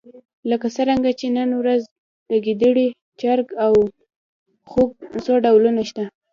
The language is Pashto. لکه څرنګه چې نن ورځ د ګېدړې، چرګ او خوګ څو ډولونه شته.